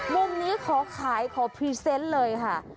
มุมนี้ขอขายขอพรีเซนต์เลยค่ะ